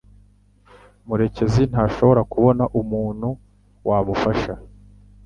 Murekezi ntashobora kubona umuntu wamufasha.